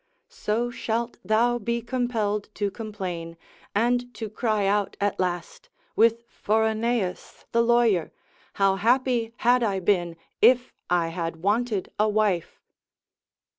So shalt thou be compelled to complain, and to cry out at last, with Phoroneus the lawyer, How happy had I been, if I had wanted a wife!